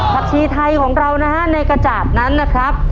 ชีไทยของเรานะฮะในกระจาดนั้นนะครับ